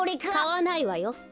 かわないわよ。